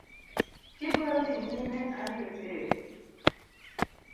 Kidwaro dhi nyime abiro teri.